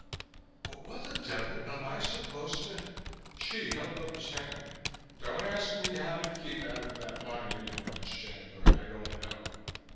"But what the devil am I supposed to " Hsi held up his hand. "Don't ask me how to keep out of that Monument bunch, Chandler. I don't know.